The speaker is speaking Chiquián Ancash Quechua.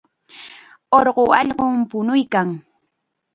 Urqu allqum puñuykan.